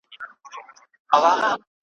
سترګي له نړۍ څخه پټي کړې `